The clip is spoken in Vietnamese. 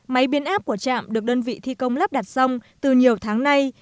máy biến áp của trạm được đơn vị thi công lắp đặt xong từ nhiều tháng nay